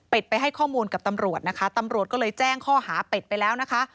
ไปให้ข้อมูลกับตำรวจนะคะตำรวจก็เลยแจ้งข้อหาเป็ดไปแล้วนะคะ